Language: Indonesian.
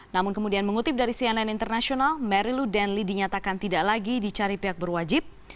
namun kemudian mengutip dari cnn international marilu denli dinyatakan tidak lagi dicari pihak berwajib